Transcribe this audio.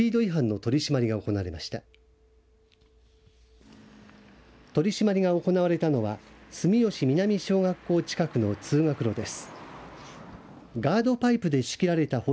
取り締まりが行われたのは住吉南小学校近くの通学路です。